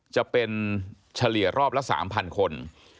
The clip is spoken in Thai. จะเป็นเฉลี่ยรอบละ๓๐๐คน